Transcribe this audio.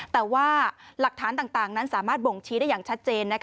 แต่ว่าหลักฐานต่างนั้นสามารถบ่งชี้ได้อย่างชัดเจน